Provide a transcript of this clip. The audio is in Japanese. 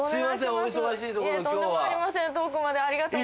お忙しいところ今日は。